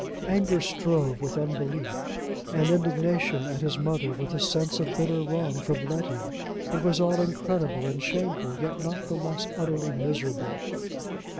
Anger strove with unbelief, and indignation at his mother with the sense of bitter wrong from Letty. It was all incredible and shameful, yet not the less utterly miserable.